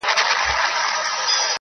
که را مخ زما پر لور هغه صنم کا-